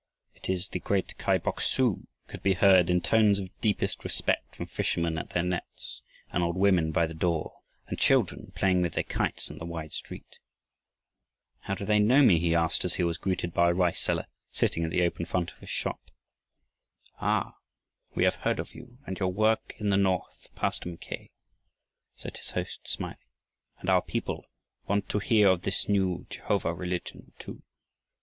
"It is the great Kai Bok su," could be heard in tones of deepest respect from fishermen at their nets and old women by the door and children playing with their kites in the wide street. "How do they know me?" he asked, as he was greeted by a rice seller, sitting at the open front of his shop. "Ah, we have heard of you and your work in the north, Pastor Mackay," said his host, smiling, "and our people want to hear of this new Jehovah religion too."